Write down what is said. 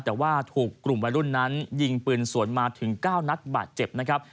แต่ว่าถูกกลุ่มวัยรุ่นนั้นยิงปืนสวนมาถึง๙นัดบาดเจ็บนะครับ